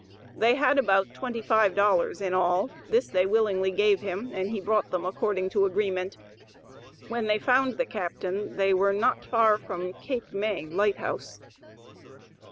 They had about twenty five dollars in all. This they willingly gave him, and he brought them according to agreement. When they found the captain they were not far from Cape May light house.